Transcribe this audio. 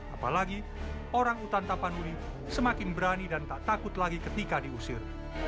apalagi orang utan tapanuli semakin berani dan tak takut lagi ketika diusir